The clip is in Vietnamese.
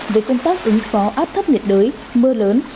về công tác ứng phó áp thấp nhiệt đới mưa lớn